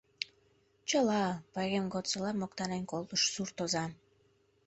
Чыла! — пайрем годсыла моктанен колтыш суртоза.